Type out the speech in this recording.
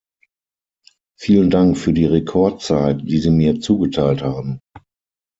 Vielen Dank für die Rekordzeit, die Sie mir zugeteilt haben.